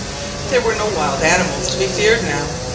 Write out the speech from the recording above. There were no wild animals to be feared now.